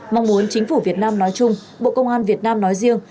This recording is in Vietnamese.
mong muốn chính phủ việt nam nói chung bộ công an việt nam nói riêng